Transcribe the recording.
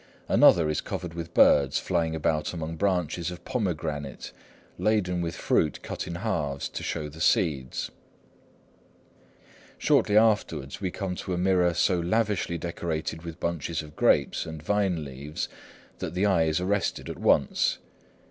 Another is covered with birds flying about among branches of pomegranate laden with fruit cut in halves to show the seeds. Shortly afterward we come to a mirror so lavishly decorated with bunches of grapes and vine leaves that the eye is arrested at once.